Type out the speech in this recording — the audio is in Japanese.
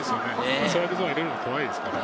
ストライクゾーンに入れるの怖いですから。